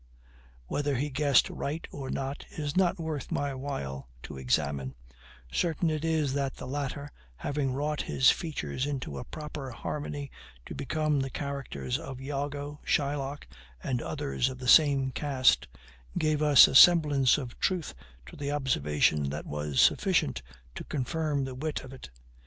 Whether he guessed right or no is not worth my while to examine; certain it is that the latter, having wrought his features into a proper harmony to become the characters of Iago, Shylock, and others of the same cast, gave us a semblance of truth to the observation that was sufficient to confirm the wit of it.